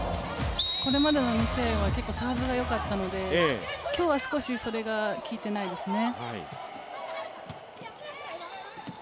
これまでの２試合はサーブがよかったので今日は少しそれが効いていないですね。